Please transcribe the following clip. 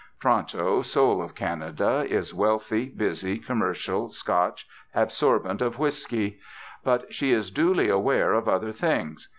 Toronto, soul of Canada, is wealthy, busy, commercial, Scotch, absorbent of whisky; but she is duly aware of other things.